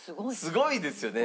すごいですよね！